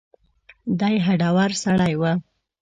دی هډور سړی و.